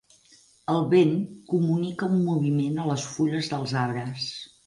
El vent comunica un moviment a les fulles dels arbres.